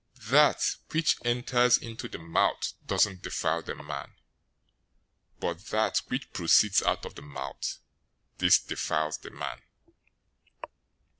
015:011 That which enters into the mouth doesn't defile the man; but that which proceeds out of the mouth, this defiles the man."